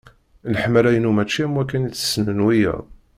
Leḥmala-inu mačči am wakken i tt-ssnen wiyaḍ.